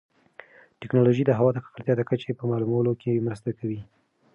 ټیکنالوژي د هوا د ککړتیا د کچې په معلومولو کې مرسته کوي.